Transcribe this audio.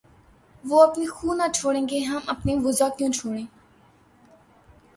وہ اپنی خو نہ چھوڑیں گے‘ ہم اپنی وضع کیوں چھوڑیں!